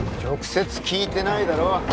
直接聞いてないだろ